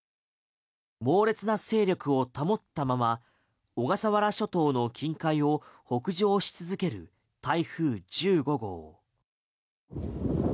猛烈な勢力を保ったまま小笠原諸島の近海を北上し続ける台風１５号。